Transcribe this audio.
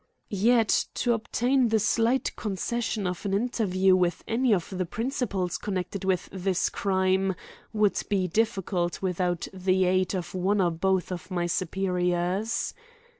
Yet to obtain the slight concession of an interview with any of the principals connected with this crime would be difficult without the aid of one or both of my superiors.